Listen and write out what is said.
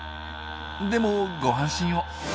でもご安心を。